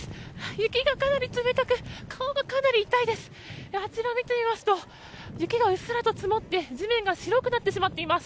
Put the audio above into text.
雪がかなり冷たく顔がかなり痛いです。